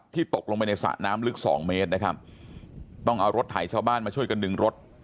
ตกลงไปในสระน้ำลึกสองเมตรนะครับต้องเอารถไถชาวบ้านมาช่วยกันดึงรถ